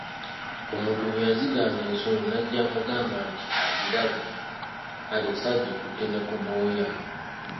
Omuntu bwe yaziganga ensolo n'ajja amugamba nti agirabye alese agikutte ne ku bwoya.